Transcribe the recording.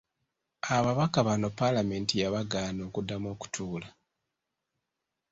Ababaka bano palamenti yabagaana okuddamu okutuula